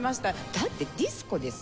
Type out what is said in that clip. だってディスコですよ。